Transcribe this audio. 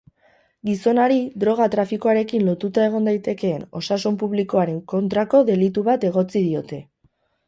Gizonari droga-trafikoarekin lotuta egon daitekeen osasun publikoaren kontrako delitu bat egotzi diote.